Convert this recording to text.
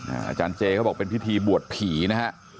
อาจารย์เจริย์เป็นพิธีบรวดผินะฮะ